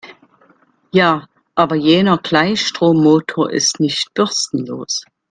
Ja, aber jener Gleichstrommotor ist nicht bürstenlos.